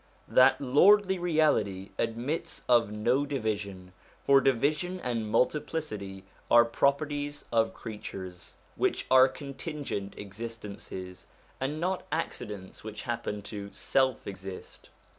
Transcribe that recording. That Lordly Reality admits of no division; for division and multiplicity are properties of creatures, which are contingent existences, and not accidents which happen to the self existent.